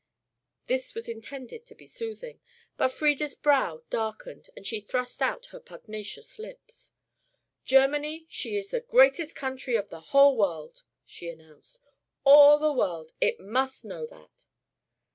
This was intended to be soothing, but Frieda's brow darkened and she thrust out her pugnacious lips. "Germany, she is the greatest country in the whole world," she announced. "All the world it muss know that."